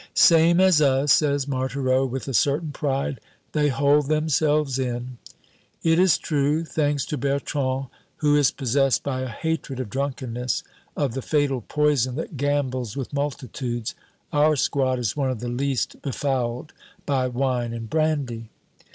"Same as us," says Marthereau with a certain pride, "they hold themselves in!" It is true. Thanks to Bertrand, who is possessed by a hatred of drunkenness, of the fatal poison that gambles with multitudes, our squad is one of the least befouled by wine and brandy.